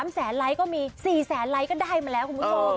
๓แสนไลค์ก็มี๔แสนไลค์ก็ได้มาแล้วคุณผู้ชม